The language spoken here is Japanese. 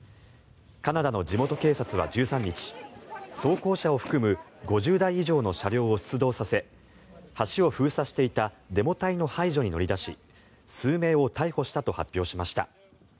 カナダの地元警察は１３日装甲車を含む５０台以上の車両を出動させ橋を封鎖していたデモ隊の排除に乗り出し数名を逮捕したと発表しました。